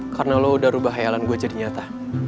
karena lo udah ubah hayalan gue jadi nyata